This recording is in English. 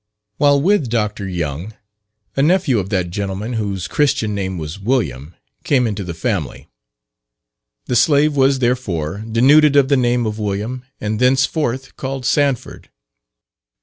While with Dr. Young, a nephew of that gentleman, whose christian name was William, came into the family: the slave was, therefore, denuded of the name of William, and thenceforth called Sanford.